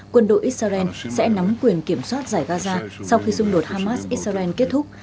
quân đội israel sẽ nắm quyền kiểm soát giải gaza sau khi xung đột hamas israel kết thúc